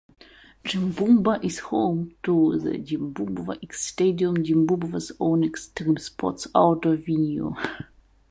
Jimboomba is home to the Jimboomba X Stadium, Jimboomba's own extreme sports outdoor venue.